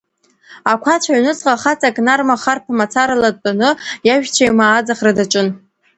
Ақәацә аҩнуҵҟа хаҵак нарма харԥ мацарала дтәаны иажәцәеимаа аӡахра даҿын.